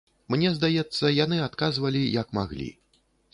Мне здаецца, яны адказвалі, як маглі.